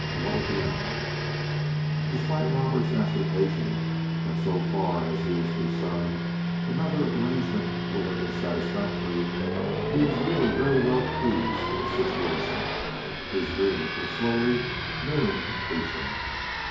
What a dilemma! Despite Robert's assertion, that so far as he was concerned another arrangement would have been satisfactory, he was really very well pleased with the situation; his dreams were slowly nearing completion.